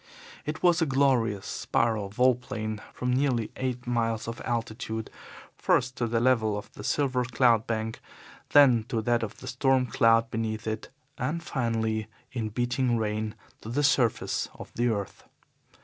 It was a glorious, spiral vol plane from nearly eight miles of altitude first, to the level of the silver cloud bank, then to that of the storm cloud beneath it, and finally, in beating rain, to the surface of the earth.